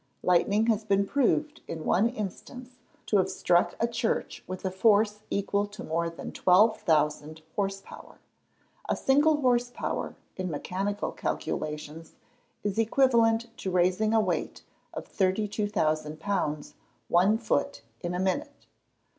_ Lightning has been proved, in one instance, to have struck a church with a force equal to more than 12,000 horse power. A single horse power, in mechanical calculations, is equivalent to raising a weight of 32,000 lbs. one foot in a minute.